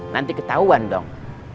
nanti ketahuan dong